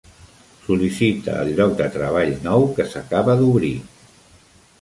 Sol·licita el lloc de treball nou que s'acaba d'obrir.